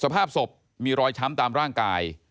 สภาพศพมีรอยช้ำตามร่างกาย